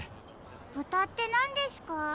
豚ってなんですか？